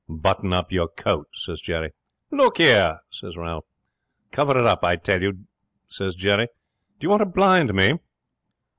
'"Button up your coat," says Jerry. '"Look 'ere!" says Ralph. '"Cover it up, I tell you," says Jerry. "Do you want to blind me?"